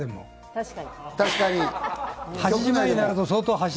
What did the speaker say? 確かに。